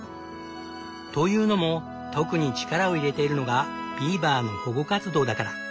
というのも特に力を入れているのがビーバーの保護活動だから。